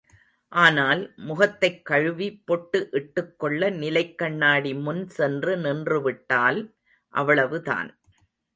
ஆனால், முகத்தைக் கழுவி பொட்டு இட்டுக் கொள்ள நிலைக் கண்ணாடி முன் சென்று நின்றுவிட்டால், அவ்வளவுதான்.